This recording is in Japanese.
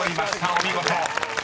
［お見事］